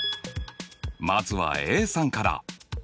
まずはＡさんから。